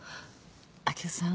明生さん